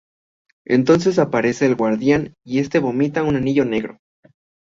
Entonces aparece el guardian y este vomita un anillo negro.